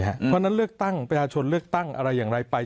เพราะฉะนั้นเลือกตั้งประชาชนเลือกตั้งอะไรอย่างไรไป